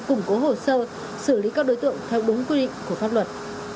củng cố hồ sơ xử lý các đối tượng theo đúng quy định của pháp luật